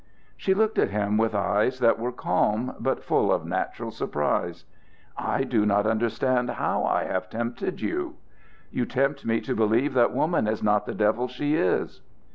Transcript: She looked at him with eyes that were calm but full of natural surprise. "I do not understand how I have tempted you." "You tempt me to believe that woman is not the devil she is."